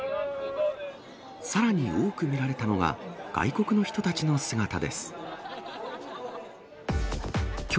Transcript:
さらに多く見られたのが、外国の人たちの姿です。